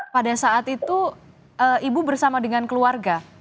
pada saat itu ibu bersama dengan keluarga